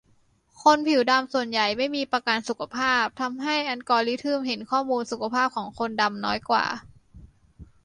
คนผิวดำส่วนใหญ่ไม่มีประกันสุขภาพ ทำให้อัลกอริทึมเห็นข้อมูลสุขภาพของคนดำน้อยกว่า